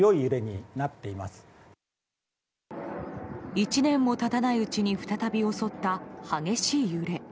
１年も経たないうちに再び襲った激しい揺れ。